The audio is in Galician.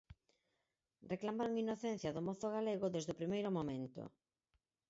Reclamaron inocencia do mozo galego desde o primeiro momento.